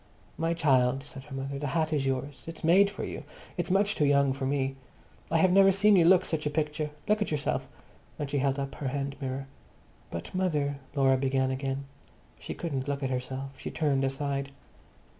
"My child!" said her mother, "the hat is yours. It's made for you. It's much too young for me. I have never seen you look such a picture. Look at yourself!" And she held up her hand mirror. "But, mother," Laura began again. She couldn't look at herself; she turned aside.